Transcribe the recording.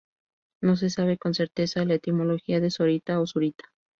No se sabe con certeza la etimología de Zorita o Zurita.